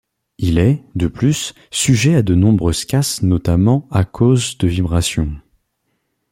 Il est, de plus, sujet à de nombreuses casses notamment à cause de vibrations.